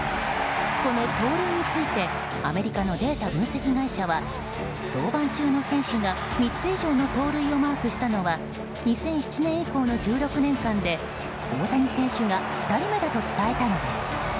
この盗塁についてアメリカのデータ分析会社は登板中の選手が３つ以上の盗塁をマークしたのは２００７年以降の１６年間で大谷選手が２人目だと伝えたのです。